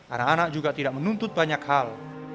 anak anak juga tidak menuntut banyak hal